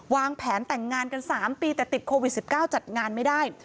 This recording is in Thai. วางแผนแต่งงานกัน๓ปีแต่ติดโควิด๑๙จัดงานไม่ได้